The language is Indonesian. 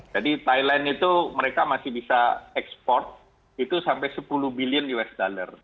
jadi thailand itu mereka masih bisa ekspor itu sampai sepuluh bilion usd